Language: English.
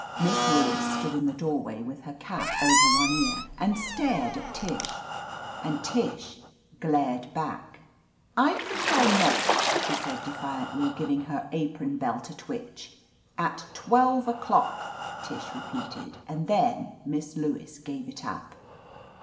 Miss Lewis stood in the doorway, with her cap over one ear, and stared at Tish, and Tish glared back. "I prefer not," she said defiantly, giving her apron belt a twitch. "At twelve o'clock !" Tish repeated, and then Miss Lewis gave it up.